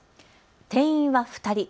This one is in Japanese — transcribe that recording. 定員は２人。